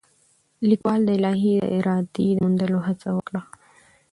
لیکوال د الهي ارادې د موندلو هڅه وکړه.